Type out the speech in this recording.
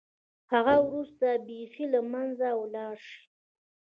له هغه وروسته بېخي له منځه ولاړه شي.